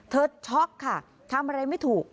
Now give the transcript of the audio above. ช็อกค่ะทำอะไรไม่ถูก